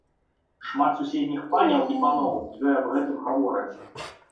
Шмат суседніх паняў і паноў ёй аб гэтым гавораць.